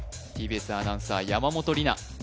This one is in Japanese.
ＴＢＳアナウンサー山本里菜